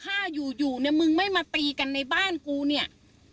ถ้าอยู่อยู่เนี่ยมึงไม่มาตีกันในบ้านกูเนี่ย